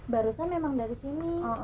barusan memang dari sini